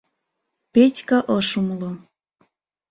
— Петька ыш умло.